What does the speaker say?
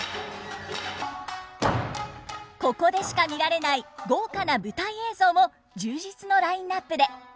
ここでしか見られない豪華な舞台映像も充実のラインナップで。